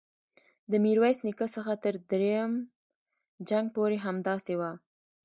د میرویس نیکه څخه تر دریم جنګ پورې همداسې وه.